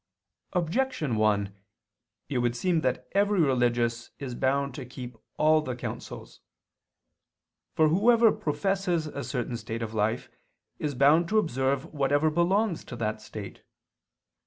Objection 1: It would seem that every religious is bound to keep all the counsels. For whoever professes a certain state of life is bound to observe whatever belongs to that state.